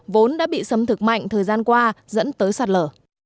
vốn đã bị sấm thực mạnh thời gian qua dẫn tới sạt lở